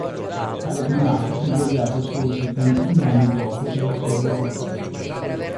Tale primato fu eguagliato solo settantuno anni dopo dallo Steaua Bucarest.